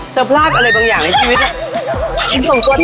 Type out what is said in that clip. พลาดอะไรบางอย่างในชีวิต